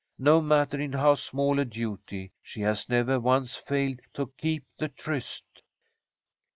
No matter in how small a duty, she has never once failed to keep the tryst."